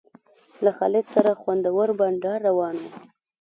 له خالد سره خوندور بنډار روان و.